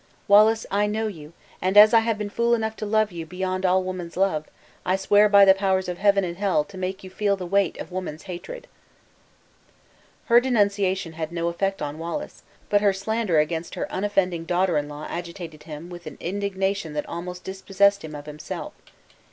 Wallace, I know you, and as I have been fool enough to love you beyond all woman's love, I swear by the powers of heaven and hell to make you feel the weight of woman's hatred!" Her denunciation had no effect on Wallace; but her slander against her unoffending daughter in law agitated him with an indignation that almost dispossessed him of himself.